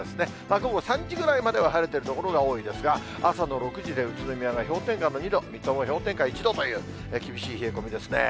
午後３時ぐらいまでは晴れている所が多いんですが、朝の６時で、宇都宮が氷点下の２度、水戸も氷点下１度という厳しい冷え込みですね。